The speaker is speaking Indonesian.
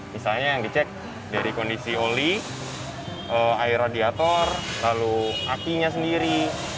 misalnya yang dicek dari kondisi oli air radiator lalu apinya sendiri